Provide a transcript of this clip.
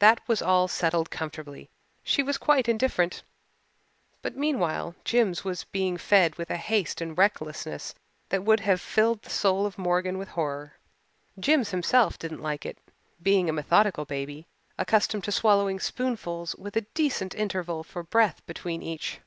That was all settled comfortably she was quite indifferent but meanwhile Jims was being fed with a haste and recklessness that would have filled the soul of Morgan with horror. Jims himself didn't like it, being a methodical baby, accustomed to swallowing spoonfuls with a decent interval for breath between each.